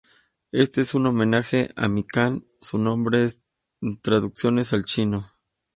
Este es un homenaje a Mikan su nombre en traducciones al chino.